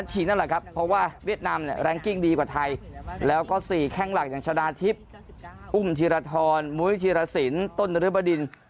ดีกว่าไทยแล้วก็สี่แข่งหลักอย่างชนะทิพย์อุ่มธีรธรมุยธีรศิลป์ต้นฤบดิน